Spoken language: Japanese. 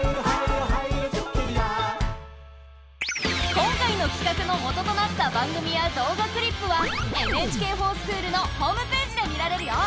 今回のきかくの元となった番組や動画クリップは「ＮＨＫｆｏｒＳｃｈｏｏｌ」のホームページで見られるよ。